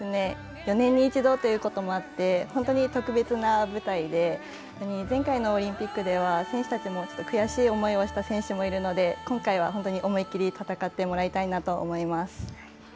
４年に一度ということもあって本当に特別な舞台で前回のオリンピックでは悔しい思いをした選手もいるので今回は、本当に思い切り戦ってもらいたいなと思います。